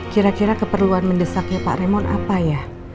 kira kira keperluan mendesaknya pak remon apa ya